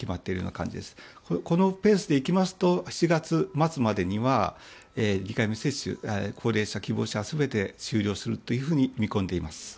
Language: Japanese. このペースでいきますと７月末までには２回目の接種、高齢者の希望者は全て終了すると見込んでいます。